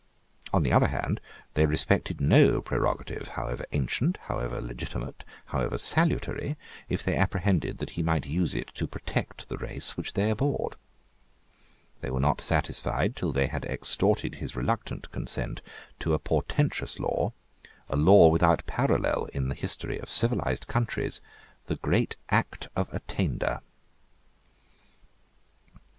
On the other hand, they respected no prerogative, however ancient, however legitimate, however salutary, if they apprehended that he might use it to protect the race which they abhorred. They were not satisfied till they had extorted his reluctant consent to a portentous law, a law without a parallel in the history of civilised countries, the great Act of Attainder.